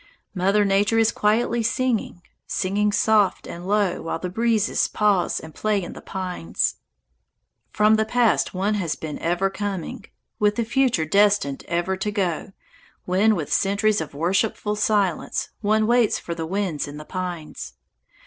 Mother Nature is quietly singing, singing soft and low while the breezes pause and play in the pines. From the past one has been ever coming, with the future destined ever to go when, with centuries of worshipful silence, one waits for the winds in the pines.